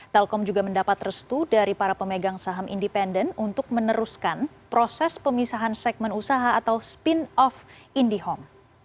telkom juga mendapat restu dari para pemegang saham independen untuk meneruskan proses pemisahan segmen usaha atau spin of indihome